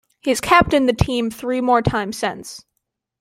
He has captained the team three more time since.